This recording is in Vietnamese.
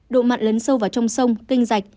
độ mặn lấn sâu vào trong sông kênh rạch